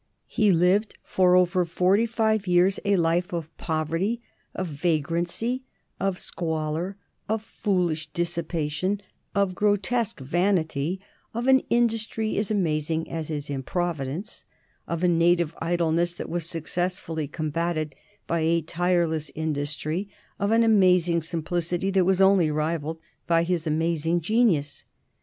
He lived for over forty five years a life of poverty, of vagrancy, of squalor, of foolish dissipation, of grotesque vanity, of an industry as amazing as his improvidence, of a native idleness that was successfully combated by a tireless industry, of an amazing simplicity that was only rivalled by his amazing genius.